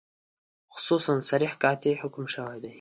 خصوصاً صریح قاطع حکم شوی دی.